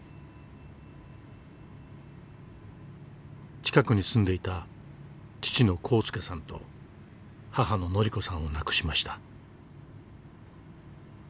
近くに住んでいた父の幸助さんと母の範子さんを亡くしました。